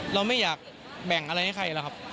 เราไม่อยากแบ่งอะไรให้ใครหรอกครับ